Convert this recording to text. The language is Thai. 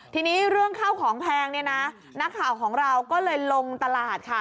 ทีนี้เรื่องข้าวของแพงเนี่ยนะนักข่าวของเราก็เลยลงตลาดค่ะ